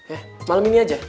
eh malam ini aja